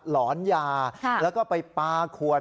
หลอนยาแล้วก็ไปปลาขวด